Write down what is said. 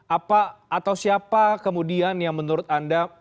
apa atau siapa kemudian yang menurut anda